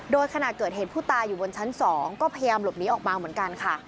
โดยขณะเกิดเหตุผู้ตายอยู่บนชั้น๒ก็พยายามหลบหนีออกมาเหมือนกันค่ะ